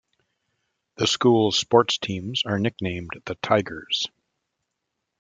The school's sports teams are nicknamed the Tigers.